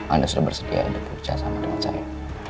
anda sudah bersedia untuk bekerja sama dengan saya